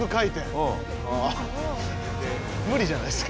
無理じゃないですか。